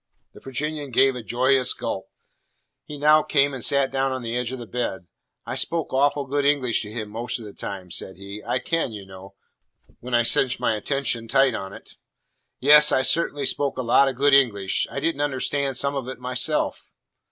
The Virginian gave a joyous gulp. He now came and sat down on the edge of my bed. "I spoke awful good English to him most of the time," said he. "I can, y'u know, when I cinch my attention tight on to it. Yes, I cert'nly spoke a lot o' good English. I didn't understand some of it myself!"